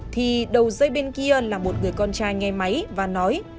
thì đầu dây bên kia là một người con trai nghe máy và nói